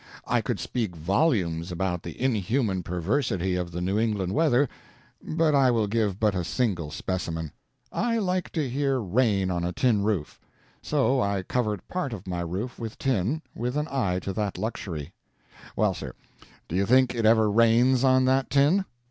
I could speak volumes about the inhuman perversity of the New England weather, but I will give but a single specimen. I like to hear rain on a tin roof. So I covered part of my roof with tin, with an eye to that luxury. Well, sir, do you think it ever rains on that tin?